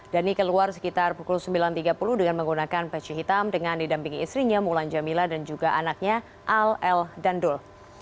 dhani keluar sekitar pukul sembilan tiga puluh dengan menggunakan peci hitam dengan didampingi istrinya mulan jamila dan juga anaknya al el dandul